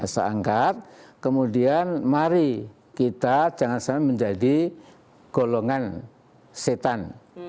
saya angkat kemudian mari kita jangan sampai menjadi golongan setan